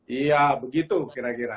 iya begitu kira kira